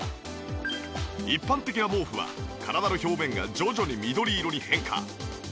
一般的な毛布は体の表面が徐々に緑色に変化。